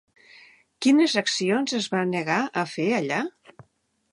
Quines accions es va negar a fer allà?